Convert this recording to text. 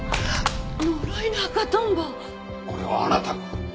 これはあなたが？